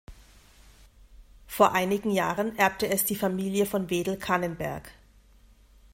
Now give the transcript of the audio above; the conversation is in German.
Vor einigen Jahren erbte es die Familie von Wedel-Kannenberg.